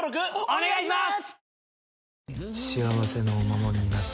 お願いします！